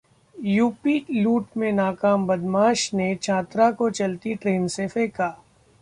UP लूट में नाकाम बदमाश ने छात्रा को चलती ट्रेन से फेंका